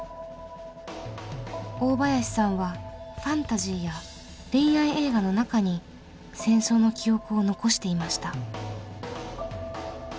大林さんはファンタジーや恋愛映画の中に戦争の記憶を残していました。